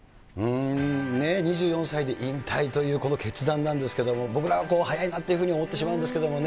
ねぇ、２４歳で引退という、この決断なんですけど、僕らはこう早いなって思ってしまうんですけれどもね。